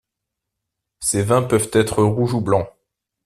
Ces vins peuvent être rouge ou blanc.